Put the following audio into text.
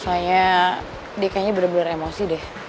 soalnya dia kayaknya bener bener emosi deh